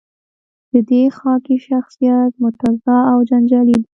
د دې خاکې شخصیت متنازعه او جنجالي دی.